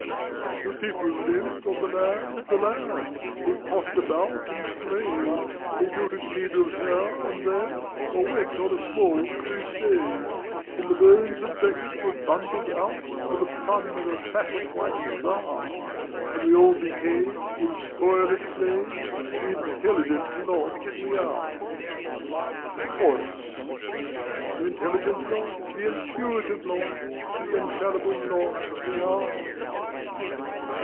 The people lived on the land, the land, They pottered about and prayed; They built a cathedral here and there Or went on a small crusade: Till the bones of Becket were bundled out For the fun of a fat White Czar, And we all became, in spoil and flame, The intelligent lot we are. Chorus The intelligent lot, the intuitive lot, The infallible lot we are.